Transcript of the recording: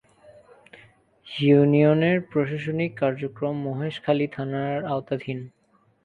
এ ইউনিয়নের প্রশাসনিক কার্যক্রম মহেশখালী থানার আওতাধীন।